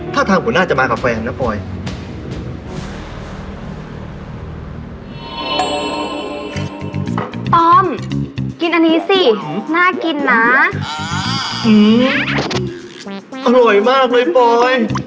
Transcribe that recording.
ท่าทางผมน่าจะมากับแฟนนะปลอย